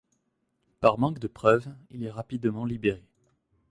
Par manque de preuves, il est rapidement libéré.